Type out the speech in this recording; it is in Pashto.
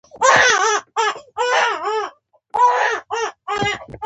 زموږ ګران هیواد افغانستان په مزارشریف باندې پوره ډک هیواد دی.